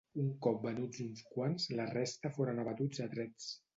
Un cop venuts uns quants la resta foren abatuts a trets.